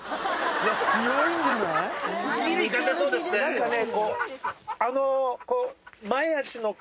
何かね